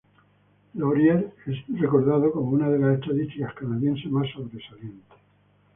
Laurier es recordado como uno de los estadistas canadienses más sobresalientes.